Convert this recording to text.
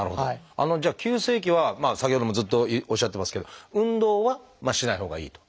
じゃあ急性期は先ほどもずっとおっしゃってますけど運動はしないほうがいいと。